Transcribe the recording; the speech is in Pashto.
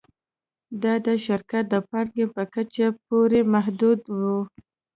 دا د شرکت د پانګې په کچې پورې محدوده وه